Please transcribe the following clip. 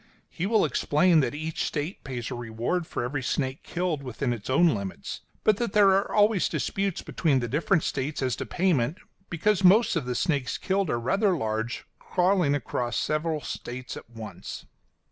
He will explain that each State pays a reward for every snake killed within its own limits; but that there are always disputes between the different States as to payment; because most of the snakes killed are rather large, crawling across several States at once.